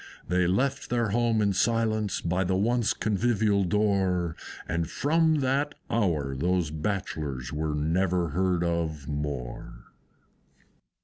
They left their home in silence by the once convivial door; And from that hour those Bachelors were never heard of more.